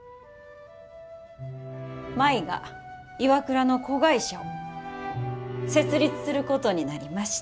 舞がＩＷＡＫＵＲＡの子会社を設立することになりました。